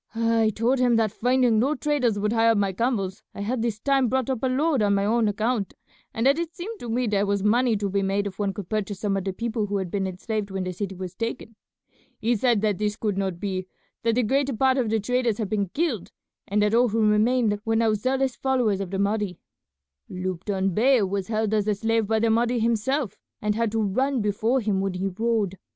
I told him that finding no traders would hire my camels I had this time brought up a load on my own account, and that it seemed to me there was money to be made if one could purchase some of the people who had been enslaved when the city was taken. He said that this could not be, that the greater part of the traders had been killed, and that all who remained were now zealous followers of the Mahdi. Lupton Bey was held as a slave by the Mahdi himself, and had to run before him when he rode.